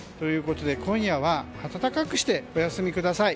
今夜は、暖かくしてお休みください。